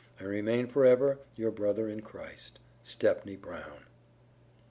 I remain forever your brother in Christ, STEPNEY BROWN.